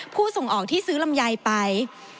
ผู้ส่งออกที่ซื้อลำไยไป